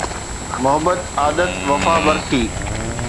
محبت عادت وفا برخي